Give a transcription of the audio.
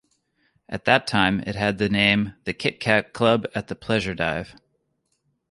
At that time it had the name the Kitkat Club at the Pleasure Dive.